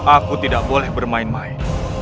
aku tidak boleh bermain main